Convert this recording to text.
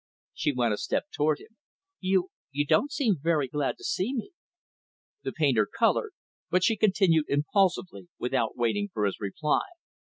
She went a step toward him. "You you don't seem very glad to see me." The painter colored, but she continued impulsively, without waiting for his reply.